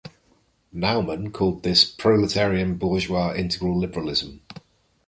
Naumann called this a "proletarian-bourgeois integral liberalism".